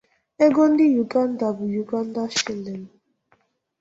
Ego ndi Uganda bu Uganda Shilling.